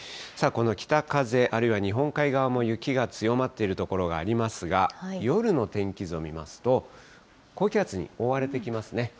この北風、あるいは日本海側も雪が強まっている所がありますが、夜の天気図を見ますと、高気圧に覆われてきますね。